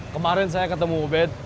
kemarin saya ketemu ubed